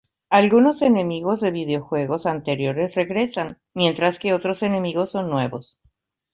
Algunos enemigos de videojuegos anteriores regresan, mientras que otros enemigos son nuevos.